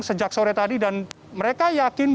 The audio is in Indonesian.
sejak sore tadi dan mereka yakin